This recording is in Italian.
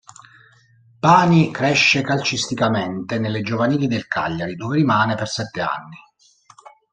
Pani cresce calcisticamente nelle giovanili del Cagliari, dove rimane per sette anni.